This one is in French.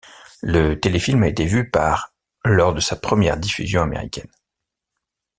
Le téléfilm a été vu par lors de sa première diffusion américaine.